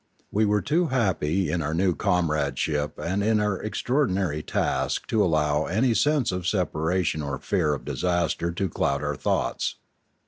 We were too happy in our new comradeship and in our extraordinary task to allow any sense of separation or fear of disaster to cloud our thoughts.